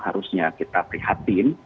harusnya kita prihatin